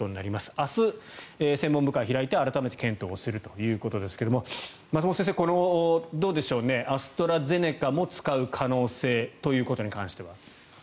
明日、専門部会を開いて改めて検討するということですが松本先生、アストラゼネカも使う可能性ということに関しては。